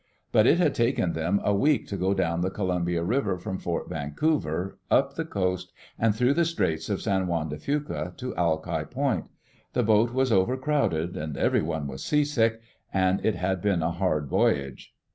But it had taken them a week to go down the Columbia River from Fort Van couver, up the coast, and through the Straits of San Juan de Fuca to Alki Point. The boat was overcrowded and everyone seasick, and it had been a hard voyage.